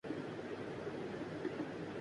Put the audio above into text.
سوچ رہا ہوں یاد تیری، گم ہونے والی چیز نہ تھی